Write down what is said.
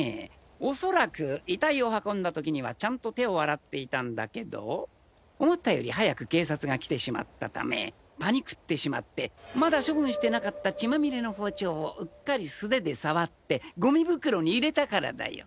恐らく遺体を運んだ時にはちゃんと手を洗っていたんだけど思ったより早く警察が来てしまったためパニクってしまってまだ処分してなかった血まみれの包丁をうっかり素手で触ってゴミ袋に入れたからだよ！